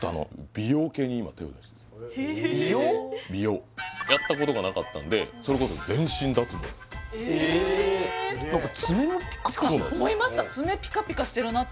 美容やったことがなかったんでそれこそ全身脱毛えっ思いました